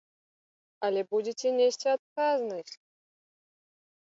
Але будзеце несці адказнасць.